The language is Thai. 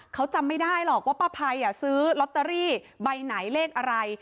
เค้าจำไม่ได้หรอกว่าปภัยอ่ะซื้อลลตรีใบไหนเลขอะไร